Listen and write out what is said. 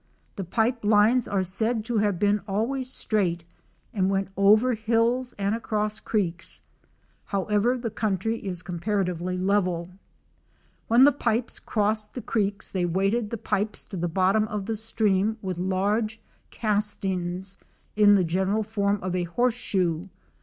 The pipe lines are said to have been always straight, and went over hills and across creeks. However, the country is comparatively level. When the pipes crossed the creeks they weighted the pipes to the bottom of the stream with large castings, in the general form of a horeshoe.